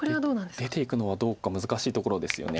出ていくのはどうか難しいところですよね。